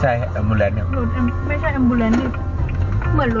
ใช่เอมบูเรนส์